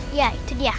iya itu dia